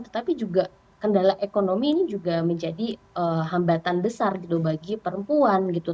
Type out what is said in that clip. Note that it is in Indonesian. tetapi juga kendala ekonomi ini juga menjadi hambatan besar gitu bagi perempuan gitu